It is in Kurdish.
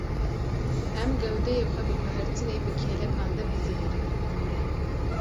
Em gewdeyê xwe bi guhertinê bi kêlekan de bizivirînin.